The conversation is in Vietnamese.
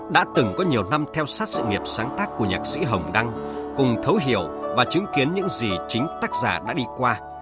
đã từng có nhiều năm theo sát sự nghiệp sáng tác của nhạc sĩ hồng đăng cùng thấu hiểu và chứng kiến những gì chính tác giả đã đi qua